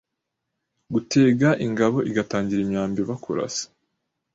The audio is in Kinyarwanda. Gutega ingabo igatangira imyambi bakurasa.